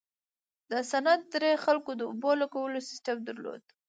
د سند درې خلکو د اوبو لګولو سیستم درلود.